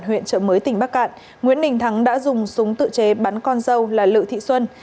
huyện trợ mới tỉnh bắc cạn nguyễn đình thắng đã dùng súng tự chế bắn con dâu là lự thị xuân